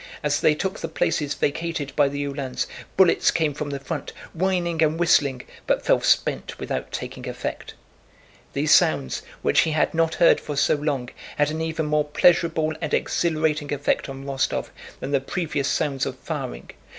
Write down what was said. As they took the places vacated by the Uhlans, bullets came from the front, whining and whistling, but fell spent without taking effect. The sounds, which he had not heard for so long, had an even more pleasurable and exhilarating effect on Rostóv than the previous sounds of firing.